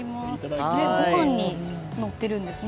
ご飯にのっているんですね。